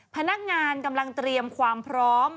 พนักงานกำลังเตรียมความพร้อม